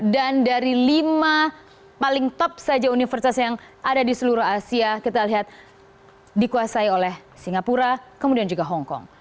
dan dari lima paling top saja universitas yang ada di seluruh asia kita lihat dikuasai oleh singapura kemudian juga hong kong